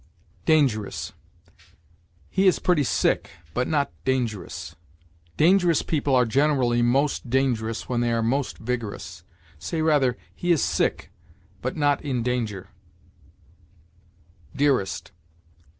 DANGEROUS. "He is pretty sick, but not dangerous." Dangerous people are generally most dangerous when they are most vigorous. Say, rather, "He is sick, but not in danger." DEAREST.